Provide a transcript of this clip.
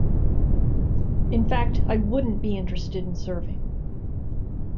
In fact, I wouldn't be interested in serving.